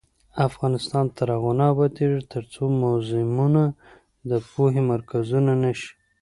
افغانستان تر هغو نه ابادیږي، ترڅو موزیمونه د پوهې مرکزونه نشي.